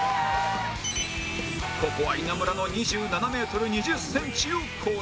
ここは稲村の２７メートル２０センチを超え